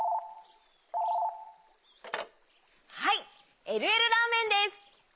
☎はいえるえるラーメンです！